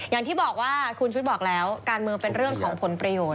อย่างที่บอกว่าคุณชุวิตบอกแล้วการเมืองเป็นเรื่องของผลประโยชน์